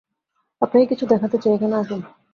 আপনাকে কিছু দেখাতে চাই, এখানে আসুন।